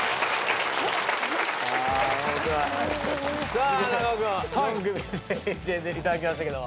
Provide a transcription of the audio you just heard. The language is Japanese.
さあ中尾君４組出ていただきましたけど。